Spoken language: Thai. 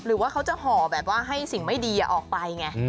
หรือว่าเขาจะห่อแบบว่าให้สิ่งไม่ดีออกไปไง